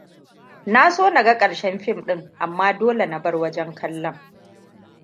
Na so naga ƙarshen fim ɗin, amma dole na bar wajen kallon.